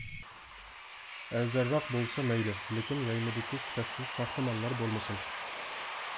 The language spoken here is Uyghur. ئەرزانراق بولسا مەيلى لېكىن يايمىدىكى سۈپەتسىز ساختا ماللار بولمىسۇن.